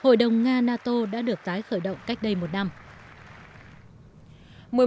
hội đồng nga nato đã được tái khởi động cách đây một năm